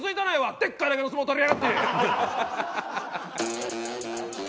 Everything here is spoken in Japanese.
でっかいだけの相撲取りやがって！